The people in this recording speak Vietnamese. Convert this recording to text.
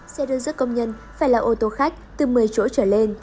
xe đơn giữa công nhân phải là ô tô khách từ một mươi chỗ trở lên